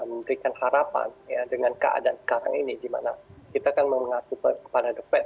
menjelangnya juga menjelangkan keadaan sekarang ini dimana kita kan mengaku kepada the fed